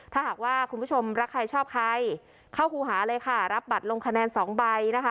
ถ้าหากว่าคุณผู้ชมรักใครชอบใครเข้าครูหาเลยค่ะรับบัตรลงคะแนนสองใบนะคะ